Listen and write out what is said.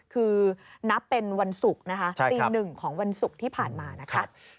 คือนับเป็นวันศุกร์นะคะตีหนึ่งของวันศุกร์ที่ผ่านมานะคะ